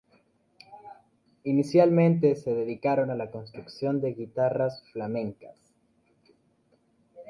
Inicialmente se dedicaron a la construcción de Guitarras flamencas.